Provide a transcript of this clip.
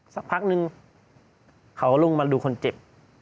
สักพักนึงเขาลงมาดูคนเจ็บ